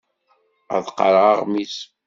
Ad qqareɣ aɣmis.